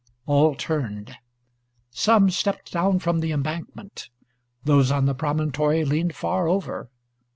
All turned. Some stepped down from the embankment. Those on the promontory leaned far over.